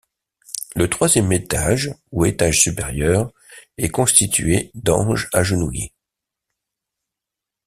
Le troisième étage, ou étage supérieur, est constitué d'anges agenouillés.